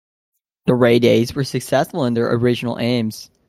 The Rae Days were successful in their original aims.